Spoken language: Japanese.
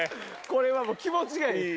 これは気持ちがいい！